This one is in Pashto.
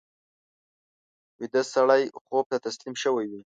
ویده سړی خوب ته تسلیم شوی وي